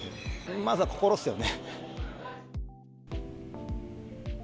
まずは心っすよね。